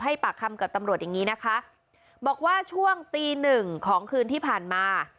ปากคำกับตำรวจอย่างงี้นะคะบอกว่าช่วงตีหนึ่งของคืนที่ผ่านมา